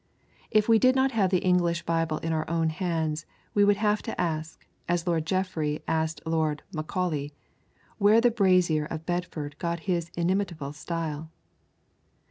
If we did not have the English Bible in our own hands we would have to ask, as Lord Jeffrey asked Lord Macaulay, where the brazier of Bedford got his inimitable style.